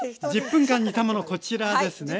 １０分間煮たものこちらですね。